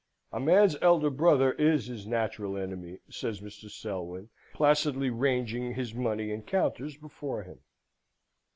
"A man's elder brother is his natural enemy," says Mr. Selwyn, placidly ranging his money and counters before him.